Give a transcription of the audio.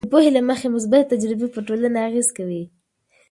د پوهې له مخې، مثبتې تجربې پر ټولنې اغیز کوي.